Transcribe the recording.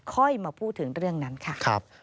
ค่อยมาพูดถึงเรื่องนั้นค่ะ